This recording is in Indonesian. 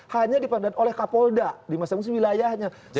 hanya dipandangkan oleh kapolda di masa masa wilayahnya